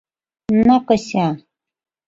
— Накося!